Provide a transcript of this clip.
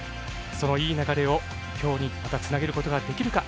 そのいい流れを今日につなげることができるか。